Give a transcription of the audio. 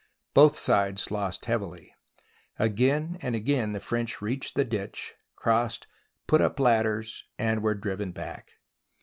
Both sides lost heavily. Again and again the French reached the ditch, crossed, put up lad ders, and were driven back.